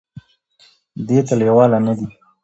دې ته لېواله نه دي ،